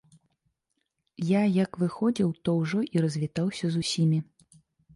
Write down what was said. Я як выходзіў, то ўжо і развітаўся з усімі.